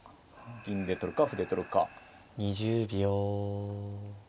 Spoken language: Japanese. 銀で取るか歩で取るか。